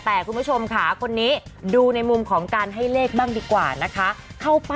แต่คุณผู้ชมค่ะคนนี้ดูในมุมของการให้เลขบ้างดีกว่านะคะ